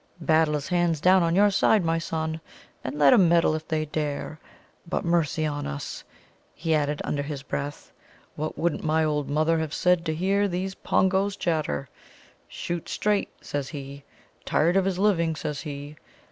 Battle is hands down on your side, my son, and let 'em meddle if they dare! But mercy on us," he added under his breath, "what wouldn't my old mother have said to hear these Pongoes chatter? 'Shoot straight!' says he. 'Tired of his living!' says he.